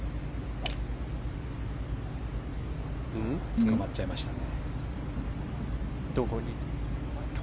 つかまっちゃいましたね。